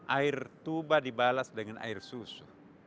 air tuba dibalas dengan air susu